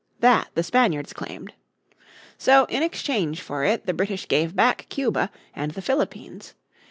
That the Spaniards claimed. So in exchange for it the British gave back Cuba and the Philippines.